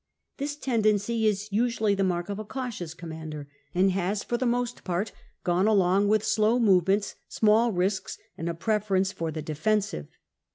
This tendency is usually the mark of a cautious commander, and has for the most part gone along with slow move ments, small risks, and a preference for the defensive.